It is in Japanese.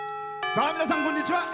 さあ皆さんこんにちは。